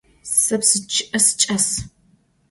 Se psı ççı'e siç'as.